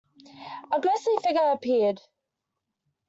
A ghostly figure appeared.